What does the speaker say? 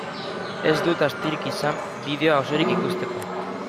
Ez dut astirik izan bideoa osorik ikusteko.